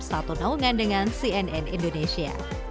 satu naungan dengan cnn indonesia